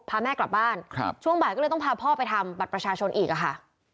พาแม่กลับบ้านช่วงบ่ายก็เลยต้องพาพ่อไปทำบัตรประชาชนอีกค่ะ